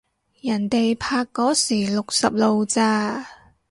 人哋拍嗰時六十路咋